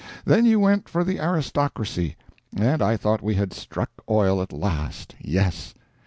Then you went for the aristocracy; and I thought we had struck oil at last yes.